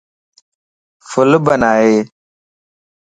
ڦل بنائي